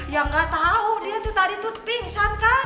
ya gak tau dia tuh tadi tuh pingsan kan